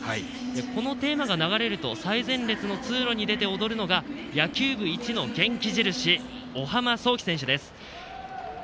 このテーマが流れると最前線に出て踊るのが野球部一の元気印おはまそうき選手です。